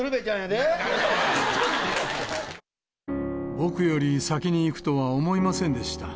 僕より先に逝くとは思いませんでした。